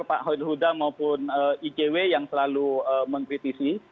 termasuk pakar pak huda maupun ikw yang selalu mengkritisi